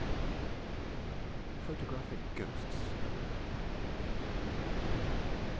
_PHOTOGRAPHIC GHOSTS.